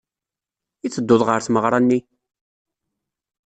I tedduḍ ɣer tmeɣra-nni?